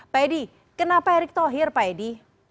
pak edi kenapa erick thohir pak edi